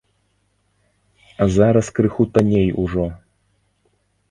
Зараз крыху танней ужо.